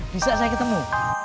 bisa saya ketemu